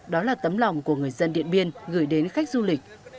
đó là tấm lòng của người dân điện biên gửi đến khách du lịch